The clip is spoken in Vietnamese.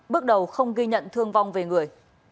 bước đầu không ghi nhận thương vong về người